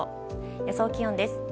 予想気温です。